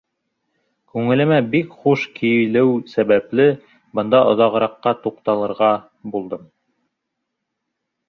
Күңелемә бик хуш килеү сәбәпле, бында оҙағыраҡҡа туҡталырға булдым.